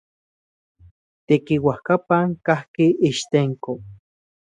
Tekiuajkapan kajki Ixtenco.